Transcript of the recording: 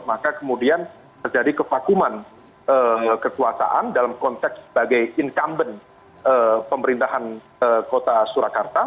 maka kemudian terjadi kevakuman kekuasaan dalam konteks sebagai incumbent pemerintahan kota surakarta